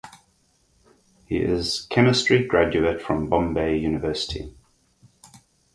He is Chemistry graduate from the Bombay University.